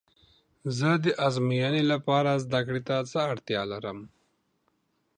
زه د ازموینې لپاره زده کړې ته څه اړتیا لرم؟